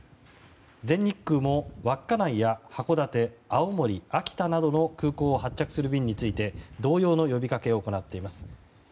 全日空も稚内や函館青森、秋田などの空港を発着する便について同様の呼びかけを行っています。